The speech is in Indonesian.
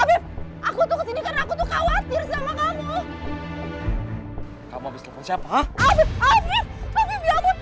afif aku tuh kesini karena aku tuh khawatir sama kamu